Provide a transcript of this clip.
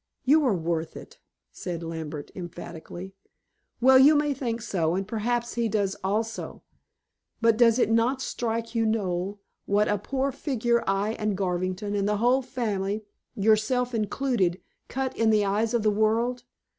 "You are worth it," said Lambert emphatically. "Well, you may think so, and perhaps he does also. But does it not strike you, Noel, what a poor figure I and Garvington, and the whole family, yourself included, cut in the eyes of the world?